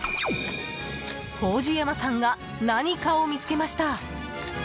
宝珠山さんが何かを見つけました。